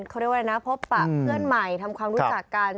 เขาเรียกว่าอะไรนะพบปะเพื่อนใหม่ทำความรู้จักกัน